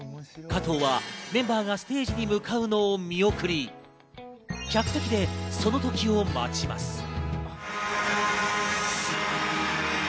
加藤はメンバーがステージに向かうのを見送り、客席でその時を待ちます。